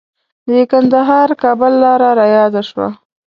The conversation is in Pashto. د کندهار-کابل لاره رایاده شوه.